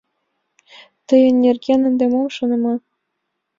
Тыйын нерген ынде мом шоныман?